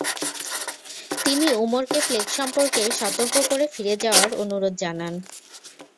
তিনি উমরকে প্লেগ সম্পর্কে সতর্ক করে ফিরে যাওয়ার অনুরোধ জানান।